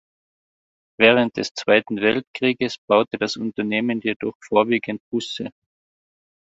Während des Zweiten Weltkrieges baute das Unternehmen jedoch vorwiegend Busse.